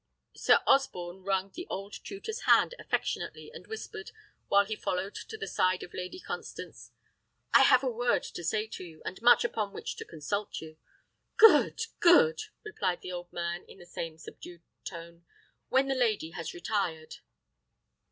Sir Osborne wrung the old tutor's hand affectionately, and whispered, while he followed to the side of Lady Constance, "I have a word to say to you, and much upon which to consult you." "Good, good!" replied the old man, in the same subdued tone, "when the lady has retired."